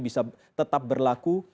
bisa tetap berlaku